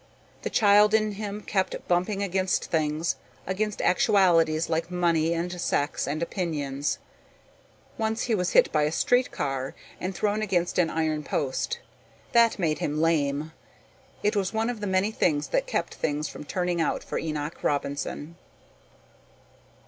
The child in him kept bumping against things, against actualities like money and sex and opinions. Once he was hit by a street car and thrown against an iron post. That made him lame. It was one of the many things that kept things from turning out for Enoch Robinson.